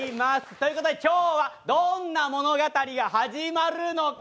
ということで、今日はどんな物語が始まるのか。